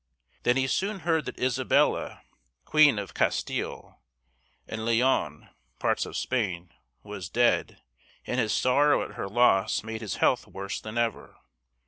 There he soon heard that Isabella, Queen of Castile (kahs teel´) and Le´on (parts of Spain), was dead, and his sorrow at her loss made his health worse than ever.